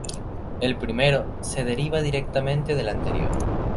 El primero se deriva directamente del anterior.